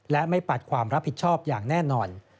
และไม่ปัดความรับผิดชอบอย่างแน่นอน